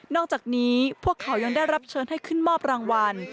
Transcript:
อกจากนี้พวกเขายังได้รับเชิญให้ขึ้นมอบรางวัล